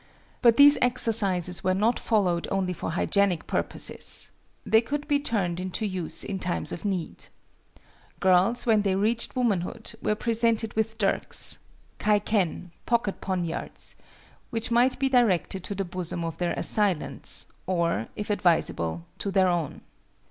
But these exercises were not followed only for hygienic purposes. They could be turned into use in times of need. Girls, when they reached womanhood, were presented with dirks (kai ken, pocket poniards), which might be directed to the bosom of their assailants, or, if advisable, to their own.